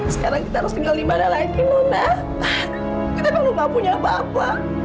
sekarang kita harus ke nilai mana lagi nona kita kan enggak punya apa apa